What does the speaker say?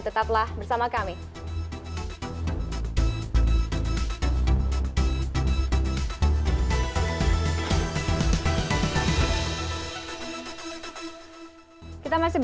tetaplah bersama kami